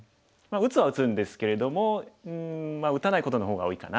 打つは打つんですけれども打たないことの方が多いかな。